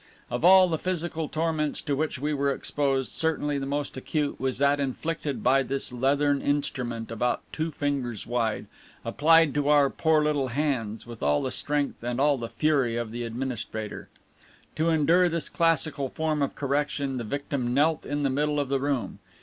Of all the physical torments to which we were exposed, certainly the most acute was that inflicted by this leathern instrument, about two fingers wide, applied to our poor little hands with all the strength and all the fury of the administrator. To endure this classical form of correction, the victim knelt in the middle of the room.